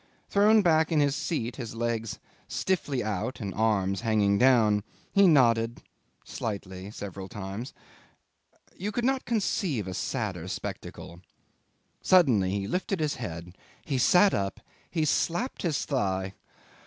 Thrown back in his seat, his legs stiffly out and arms hanging down, he nodded slightly several times. You could not conceive a sadder spectacle. Suddenly he lifted his head; he sat up; he slapped his thigh.